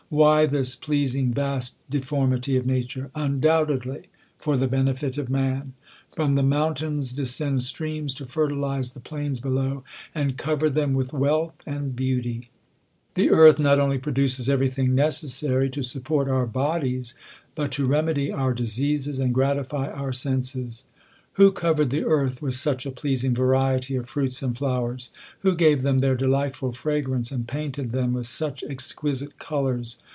Why this pleasing, vast deformity of nature,? Undoubtedly for the benefit of man. From the mou tains descend streams to fertilize the plains below, a < over them with wealth and beauty. The earth not only produces every thing necessa: to support our bodies, but to rem«dy our diseases, a grati THE COLUMBIAN ORATOR. 199 gratify our senses. Who covered the. earth with such a pleasing variety of fruits and flowers ? Who gave . them their delightful fragrance, and painted them with i such exquisite colours